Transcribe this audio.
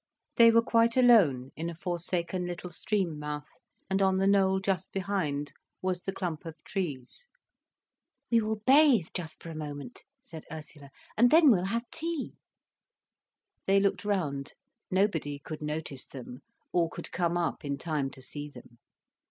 They were quite alone in a forsaken little stream mouth, and on the knoll just behind was the clump of trees. "We will bathe just for a moment," said Ursula, "and then we'll have tea." They looked round. Nobody could notice them, or could come up in time to see them.